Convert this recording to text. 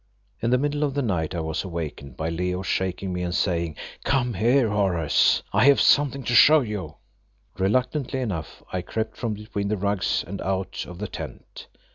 In the middle of the night I was awakened by Leo shaking me and saying "Come here, Horace, I have something to show you." Reluctantly enough I crept from between the rugs and out of the tent.